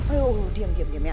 aduh diam diam ya